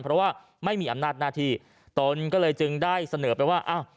เพราะว่าไม่มีอำนาจหน้าที่ตนก็เลยจึงได้เสนอไปว่าอ้าว